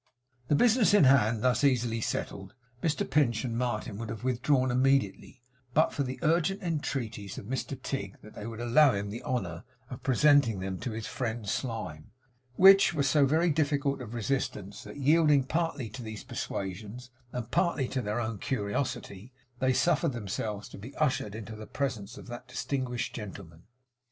The business in hand thus easily settled, Mr Pinch and Martin would have withdrawn immediately, but for the urgent entreaties of Mr Tigg that they would allow him the honour of presenting them to his friend Slyme, which were so very difficult of resistance that, yielding partly to these persuasions and partly to their own curiosity, they suffered themselves to be ushered into the presence of that distinguished gentleman.